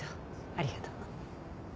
ありがとう。